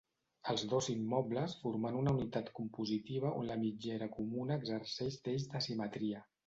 Els dos immobles formant una unitat compositiva on la mitgera comuna exerceix d'eix de simetria.